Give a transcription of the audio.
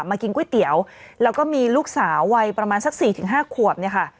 กินก๋วยเตี๋ยวแล้วก็มีลูกสาววัยประมาณสัก๔๕ขวบเนี่ยค่ะ